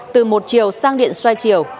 từ một chiều sang điện xoay chiều